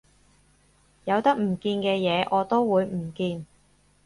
有得唔見嘅嘢我都會唔見